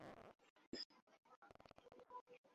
তিনি সমরকন্দে বন্দী ছিলেন।